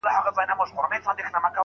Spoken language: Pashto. موږ له کړکۍ څخه ډبره نه ده چاڼ کړې.